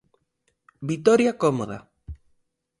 Vitoria cómoda.